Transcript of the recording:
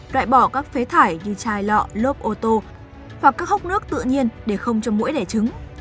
loại bỏ các phế thải như chai lọ lốp ô tô hoặc các hốc nước tự nhiên để không cho mũi đẻ trứng